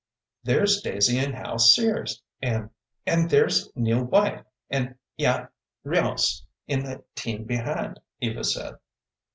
"There's Daisy and Hat Sears, and and there's Nell White and Eaat Ryoce in the team behind," Eva said.